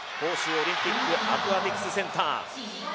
オリンピックアクアティクスセンター。